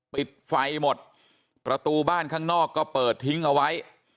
ปิดไฟหมดประตูบ้านข้างนอกก็เปิดทิ้งเอาไว้